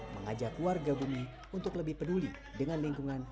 mengajak warga bumi untuk lebih peduli dengan lingkungan